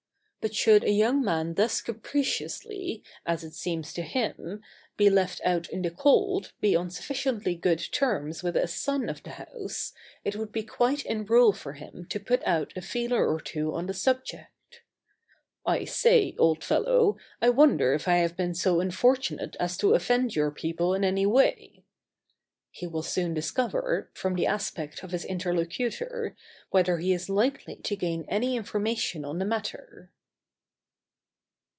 ] But should a young man thus capriciously (as it seems to him) be left out in the cold be on sufficiently good terms with a son of the house, it would be quite in rule for him to put out a feeler or two on the subject: "I say, old fellow, I wonder if I have been so unfortunate as to offend your people in any way?" He will soon discover, from the aspect of his interlocutor, whether he is likely to gain any information on the matter.